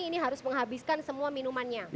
ini harus menghabiskan semua minumannya